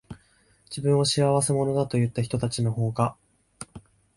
自分を仕合せ者だと言ったひとたちのほうが、